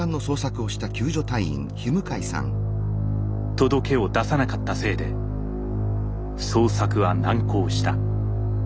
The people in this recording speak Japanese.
届けを出さなかったせいで捜索は難航した。